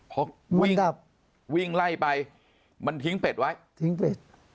พอวิ่งไล่ไปมันทิ้งเป็ดไว้ทิ้งเป็ด